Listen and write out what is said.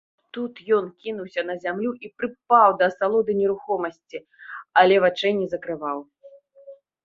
Тут ён кінуўся на зямлю і прыпаў да асалоды нерухомасці, але вачэй не закрываў.